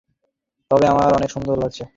তবে তোমাকে অনেক সুন্দর লাগছে।